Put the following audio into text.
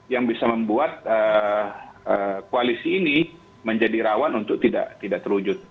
yang bisa membuat koalisi ini menjadi rawan untuk tidak terwujud